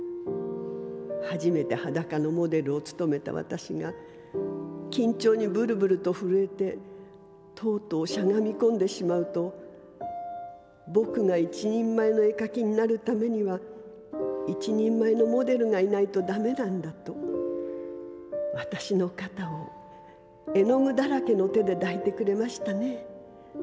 初めて裸のモデルをつとめた私が緊張にブルブルとふるえてとうとうしゃがみこんでしまうとぼくが一人前の絵描きになるためには一人前のモデルがいないとダメなんだと私の肩を絵の具だらけの手で抱いてくれましたね。